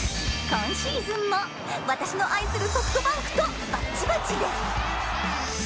今シーズンも私の愛するソフトバンクとバッチバチです。